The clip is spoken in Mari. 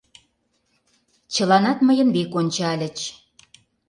Чыланат мыйын век ончальыч.